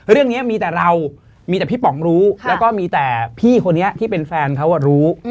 เรื่องนี้มีแต่เรามีแต่พี่ป๋องรู้แล้วก็มีแต่พี่คนนี้ที่เป็นแฟนเขารู้